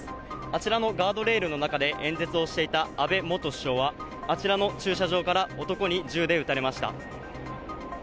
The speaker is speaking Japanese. あちらのガードレールの中で演説をしていた安倍元首相は、あちらの駐車場から男に銃で撃たれました。